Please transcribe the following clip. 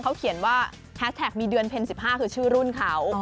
เขาเขียนว่าแฮชแท็กมีเดือนเพ็ญ๑๕คือชื่อรุ่นเขา